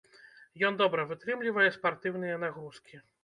Ён добра вытрымлівае спартыўныя нагрузкі.